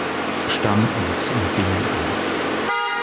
Stamm wuchs in Bingen auf.